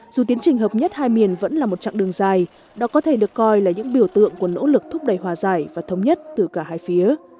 dù tiến trình hợp nhất hai miền vẫn là một chặng đường dài đó có thể được coi là những biểu tượng của nỗ lực thúc đẩy hòa giải và thống nhất từ cả hai phía